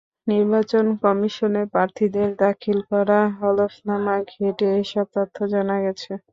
নির্বাচন কমিশনে প্রার্থীদের দাখিল করা হলফনামা ঘেঁটে এসব তথ্য জানা গেছে।